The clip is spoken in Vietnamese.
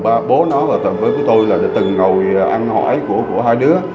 bố nói với tôi là từng ngồi ăn hỏi của hai đứa